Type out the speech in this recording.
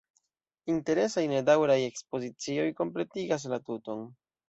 Interesaj nedaŭraj ekspozicioj kompletigas la tuton.